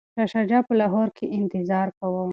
شاه شجاع په لاهور کي انتظار کاوه.